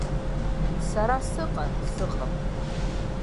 Сара сыҟа, сыҟам.